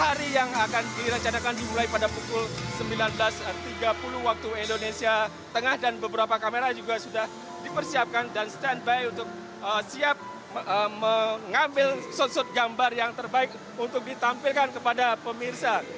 hari yang akan direncanakan dimulai pada pukul sembilan belas tiga puluh waktu indonesia tengah dan beberapa kamera juga sudah dipersiapkan dan standby untuk siap mengambil soundshot gambar yang terbaik untuk ditampilkan kepada pemirsa